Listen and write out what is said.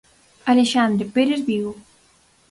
Alexandre Péres Vigo.